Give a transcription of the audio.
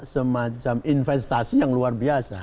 semacam investasi yang luar biasa